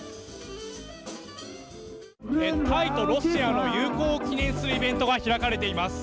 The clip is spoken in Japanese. タイとロシアの友好を記念するイベントが開かれています。